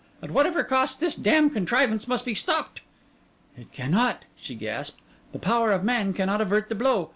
At whatever cost, this damned contrivance must be stopped!' 'It cannot,' she gasped. 'The power of man cannot avert the blow.